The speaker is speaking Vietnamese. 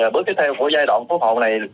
bước tiếp theo của giai đoạn cứu hộ này